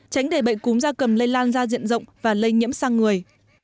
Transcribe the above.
tránh để bệnh cúm da cầm lây lan ra diện rộng và lây nhiễm sang người